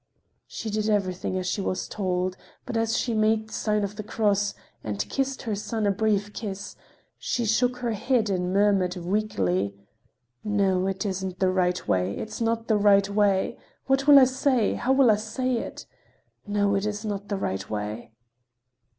She did everything as she was told. But as she made the sign of the cross, and kissed her son a brief kiss, she shook her head and murmured weakly: "No, it isn't the right way! It is not the right way! What will I say? How will I say it? No, it is not the right way!"